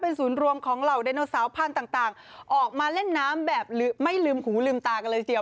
ศูนย์รวมของเหล่าไดโนเสาร์พันธุ์ต่างออกมาเล่นน้ำแบบไม่ลืมหูลืมตากันเลยทีเดียว